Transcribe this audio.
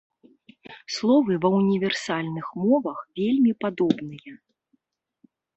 Словы ва універсальных мовах вельмі падобныя.